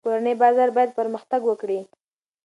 کورني بازار باید پرمختګ وکړي.